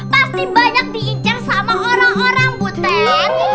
pasti banyak diincar sama orang orang butet